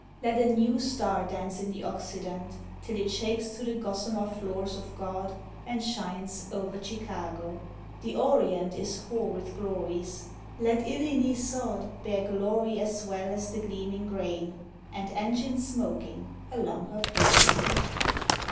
Let a new star dance in the Occident Till it shakes through the gossamer floors of God And shines, o’er Chicago. .. The Orient Is hoar with glories. Let Illini sod Bear glory as well as the gleaming grain, And engines smoking along her plain.